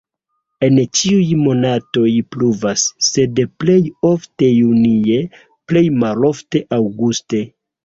En ĉiuj monatoj pluvas, sed plej ofte junie, plej malofte aŭguste.